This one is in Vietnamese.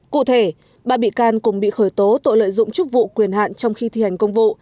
cụ thể ba bị can cùng bị khởi tố tội lợi dụng chức vụ quyền hạn trong khi thi hành công vụ